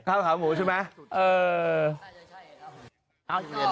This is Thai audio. ข้าวขาวหมูใช่ไหม